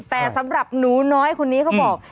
แต่สำหรับหนูน้อยคนนี้เขาบอก